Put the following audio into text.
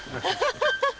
ハハハハ！